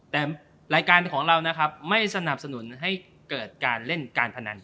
แต่รายการของเรานะครับไม่สนับสนุนให้เกิดการเล่นการพนัน